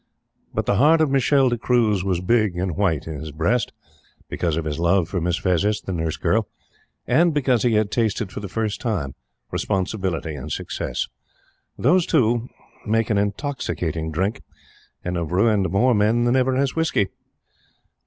But the heart of Michele D'Cruze was big and white in his breast, because of his love for Miss Vezzis, the nurse girl, and because he had tasted for the first time Responsibility and Success. Those two make an intoxicating drink, and have ruined more men than ever has Whiskey.